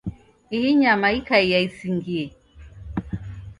Ihi nyama ikaia isingie.